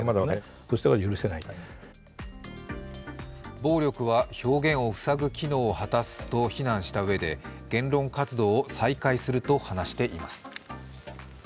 暴力は表現を塞ぐ機能を果たすと非難したうえで言論活動を再開すると話しています。